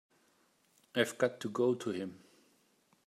I've got to go to him.